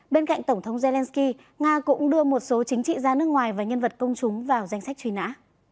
bên cạnh tổng thống zelensky nga cũng đưa một số chính trị gia nước ngoài và nhân vật công chúng vào danh sách truy nã